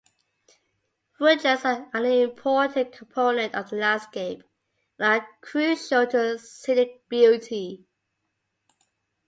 Woodlands are an important component of the landscape and are crucial to scenic beauty.